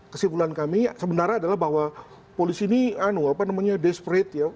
kesimpulan kami sebenarnya adalah bahwa polisi ini apa namanya desperate ya